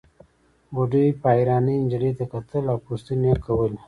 بوډۍ په حيرانۍ نجلۍ ته کتل او پوښتنې يې کولې.